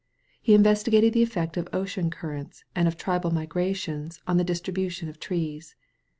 He investigated the eflFect of ocean currents and of tribal migrations in the distribu tion of trees.